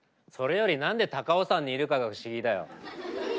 それより何で高尾山にいるかが不思議だよ。